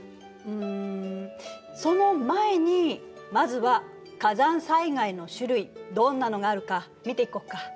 うんその前にまずは火山災害の種類どんなのがあるか見ていこっか？